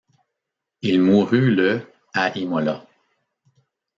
Il mourut le à Imola.